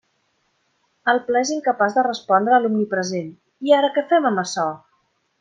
El pla és incapaç de respondre a l'omnipresent «¿i ara què fem amb açò?».